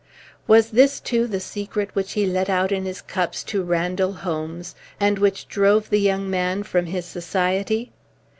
Was this too the secret which he let out in his cups to Randall Holmes and which drove the young man from his society?